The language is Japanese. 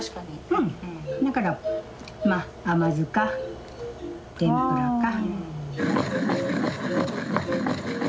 うんだからまあ甘酢か天ぷらか。